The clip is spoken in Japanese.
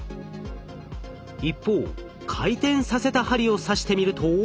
一方回転させた針を刺してみると。